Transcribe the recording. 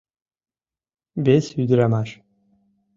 Вес ӱдырамаш.